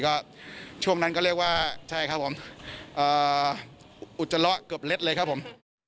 ก็ช่วงนั้นก็เรียกว่าใช่ครับผมอุจจาระเกือบเล็ดเลยครับผม